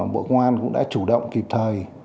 bộ công an cũng đã chủ động kịp thời